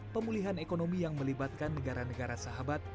pemulihan ekonomi yang melibatkan negara negara sahabat